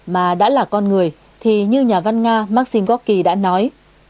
mà đã là con người thì như nhà văn nga maxim gorky đã nói